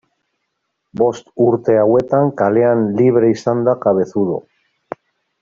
Bost urte hauetan kalean libre izan da Cabezudo.